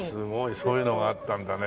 そういうのがあったんだね。